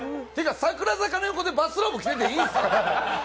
櫻坂の横でバスローブ着てていいんですか？